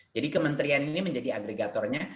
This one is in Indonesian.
jadi kementerian ini menjadi agregatornya